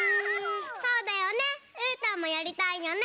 そうだよねうーたんもやりたいよね。